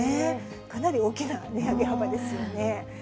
かなり大きな値上げ幅ですよね。